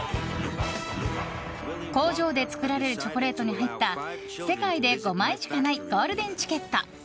工場で作られるチョコレートに入った世界で５枚しかないゴールデンチケット。